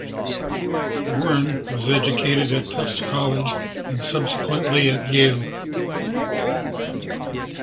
Warren was educated at Tufts College and subsequently at Yale.